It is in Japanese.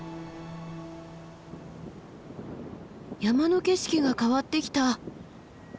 山の景色が変わってきた。